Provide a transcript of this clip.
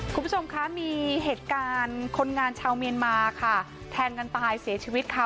คุณผู้ชมคะมีเหตุการณ์คนงานชาวเมียนมาค่ะแทงกันตายเสียชีวิตค่ะ